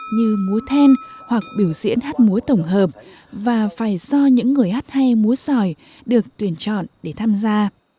như múa then hoặc biểu diễn hát múa tổng hợp và phải do những người hát hay múa giỏi được tuyển chọn để tham gia